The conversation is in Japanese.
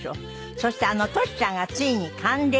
そしてあのトシちゃんがついに還暦。